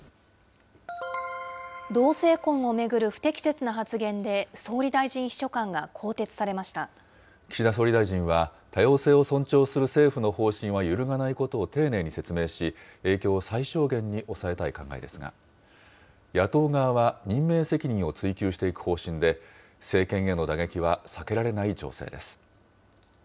同性婚を巡る不適切な発言で、岸田総理大臣は、多様性を尊重する政府の方針は揺るがないことを丁寧に説明し、影響を最小限に抑えたい考えですが、野党側は任命責任を追及していく方針で、政権への打撃は避けられない情勢です。